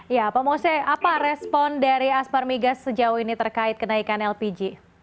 ya pak mose apa respon dari aspar migas sejauh ini terkait kenaikan lpg